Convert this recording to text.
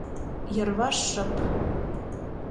Йырваш шып.